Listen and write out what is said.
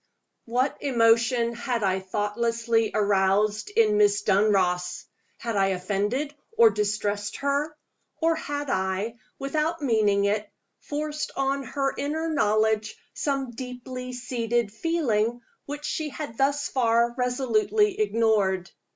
WHAT emotion had I thoughtlessly aroused in Miss Dunross? Had I offended or distressed her? Or had I, without meaning it, forced on her inner knowledge some deeply seated feeling which she had thus far resolutely ignored?